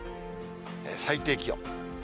最低気温。